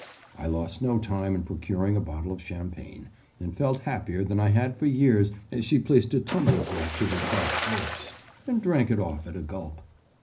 I lost no time in procuring a bottle of champagne, and felt happier than I had for years as she placed a tumblerful to her parched lips and drank it off at a gulp.